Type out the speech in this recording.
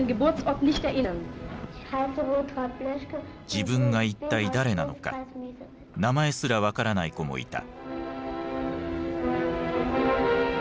自分が一体誰なのか名前すら分からない子もいた。